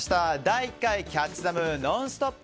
第１回キャッチ・ザ・ムーン「ノンストップ！」